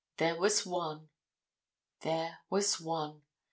There was one. There was one.